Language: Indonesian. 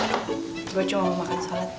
gue cuma mau makan salad